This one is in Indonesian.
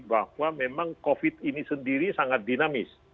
bahwa memang covid sembilan belas ini sendiri sangat dinamis